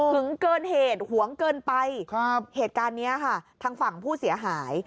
เกินเหตุหวงเกินไปครับเหตุการณ์เนี้ยค่ะทางฝั่งผู้เสียหาย